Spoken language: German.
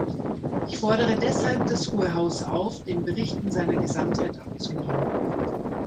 Ich fordere deshalb das hohe Haus auf, den Bericht in seiner Gesamtheit abzulehnen.